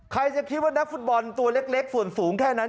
ใครจะคิดว่านักฟุตบอลตัวเล็กส่วนสูงแค่นั้น